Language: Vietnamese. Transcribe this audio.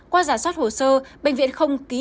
qua giả soát hồ sơ bệnh viện không ký